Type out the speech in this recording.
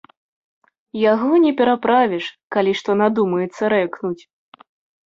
Яго не пераправіш, калі што надумаецца рэкнуць.